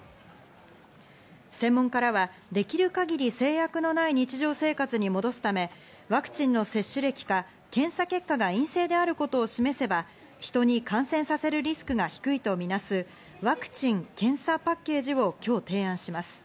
専門家らはできる限り制約のない日常生活に戻すため、ワクチンの接種歴か検査結果が陰性であることを示せば、人に感染させるリスクが低いとみなす、ワクチン・検査パッケージを今日提案します。